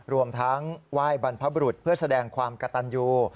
รวมทั้งไหว้บรรพบรุษเพื่อแสดงความกระตันยู